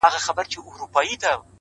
اخلاص د اړیکو ارزښت زیاتوي،